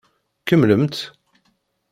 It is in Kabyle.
Kemmlemt!